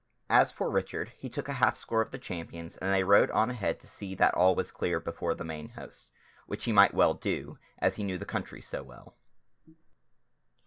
As for Richard, he took a half score of the champions, and they rode on ahead to see that all was clear before the main host; which he might well do, as he knew the country so well.